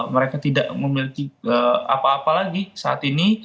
mereka tidak memiliki apa apa lagi saat ini